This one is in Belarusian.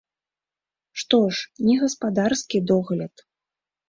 Што ж, не гаспадарскі догляд.